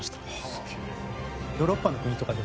すげえ。